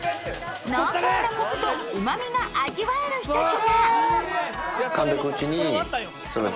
濃厚なコクとうまみが味わえるひと品。